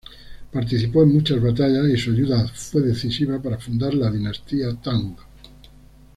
Participó en muchas batallas, y su ayuda fue decisiva para fundar la dinastía Tang...